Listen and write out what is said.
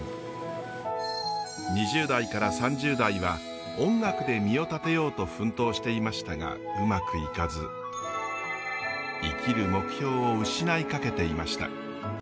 ２０代から３０代は音楽で身を立てようと奮闘していましたがうまくいかず生きる目標を失いかけていました。